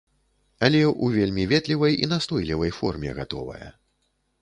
Але ў вельмі ветлівай і настойлівай форме гатовая.